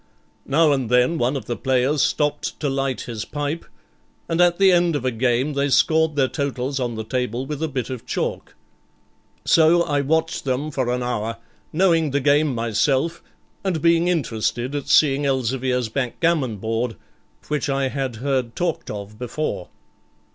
Now and then one of the players stopped to light his pipe, and at the end of a game they scored their totals on the table with a bit of chalk. So I watched them for an hour, knowing the game myself, and being interested at seeing Elzevir's backgammon board, which I had heard talked of before.